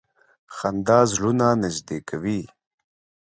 • خندا زړونه نږدې کوي.